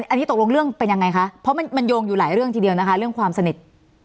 อันนี้ตกลงเรื่องเป็นยังไงคะเพราะมันโยงอยู่หลายเรื่องทีเดียวนะคะเรื่องความสนิท